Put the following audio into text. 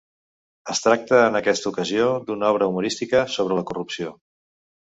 Es tracta en aquesta ocasió d'una obra humorística sobre la corrupció.